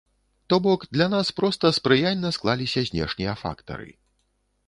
То бок, для нас проста спрыяльна склаліся знешнія фактары.